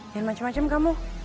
dan macem macem kamu